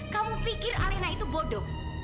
kamu pikir arena itu bodoh